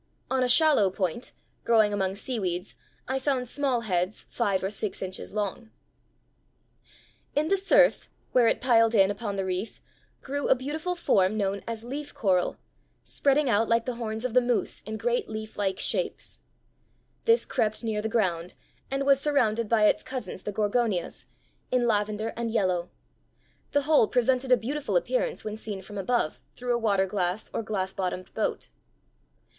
On a shallow point, growing among seaweeds, I found small heads five or six inches long. [Illustration: FIG. 37. Coral head, with many polyps (Astræa).] In the surf, where it piled in upon the reef, grew a beautiful form known as leaf coral, spreading out like the horns of the moose in great leaflike shapes. This crept near the ground, and was surrounded by its cousins, the Gorgonias, in lavender and yellow. The whole presented a beautiful appearance when seen from above through a water glass or glass bottomed boat.